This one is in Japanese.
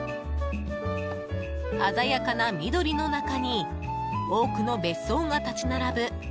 鮮やかな緑の中に多くの別荘が立ち並ぶ